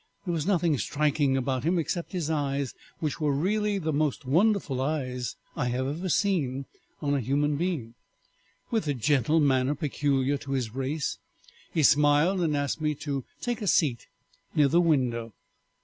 There was nothing striking about him except his eyes, which were really the most wonderful eyes I have ever seen in a human being. With the gentle manner peculiar to his race he smiled and asked me to take a seat near the window."